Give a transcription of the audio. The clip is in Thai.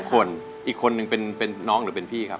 คนอีกคนนึงเป็นน้องหรือเป็นพี่ครับ